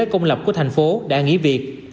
công lập của thành phố đã nghỉ việc